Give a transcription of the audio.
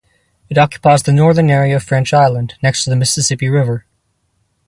It occupies the northern area of French Island, next to the Mississippi River.